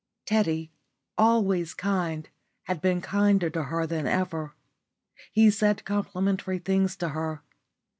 Teddy, always kind, had been kinder to her than ever. He said complimentary things to her.